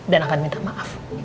dan akan minta maaf